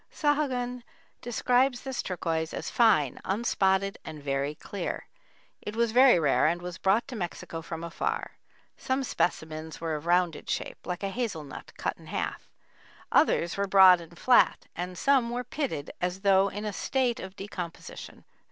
Sahagun describes this turquoise as "fine, unspotted and very clear. It was very rare and was brought to Mexico from afar. Some specimens were of rounded shape, like a hazel nut cut in half; others were broad and flat, and some were pitted as though in a state of decomposition."